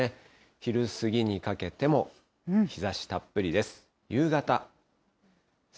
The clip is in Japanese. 昼過ぎにかけても日ざしたっぷりです。